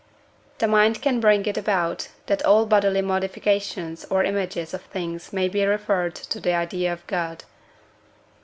The mind can bring it about, that all bodily modifications or images of things may be referred to the idea of God.